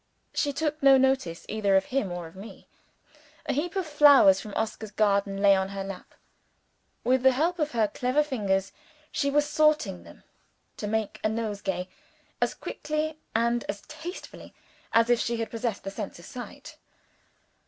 She took no notice either of him or of me. A heap of flowers from Oscar's garden lay in her lap. With the help of her clever fingers, she was sorting them to make a nosegay, as quickly and as tastefully as if she had possessed the sense of sight.